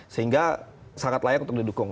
sehingga sangat layak untuk didukung